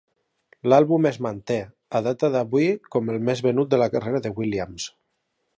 L'àlbum es manté, a data d'avui, com el més venut de la carrera de Williams.